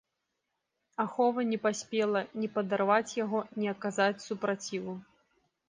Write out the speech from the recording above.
Ахова не паспела ні падарваць яго, ні аказаць супраціву.